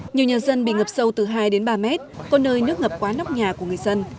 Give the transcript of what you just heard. nhiều nhà dân bị ngập sâu từ hai đến ba mét có nơi nước ngập quá nóc nhà của người dân